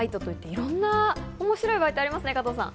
いろんな面白いバイトがありますね。